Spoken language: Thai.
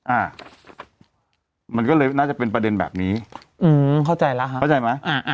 อ่ามันก็เลยน่าจะเป็นประเด็นแบบนี้อืมเข้าใจแล้วฮะเข้าใจไหมอ่า